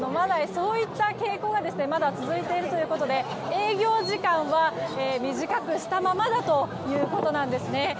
そういった傾向がまだ続いているということで営業時間は短くしたままだということです。